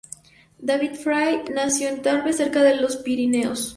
David Fray nació en Tarbes, cerca de los Pirineos.